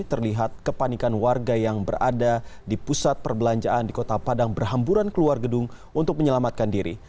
terlihat kepanikan warga yang berada di pusat perbelanjaan di kota padang berhamburan keluar gedung untuk menyelamatkan diri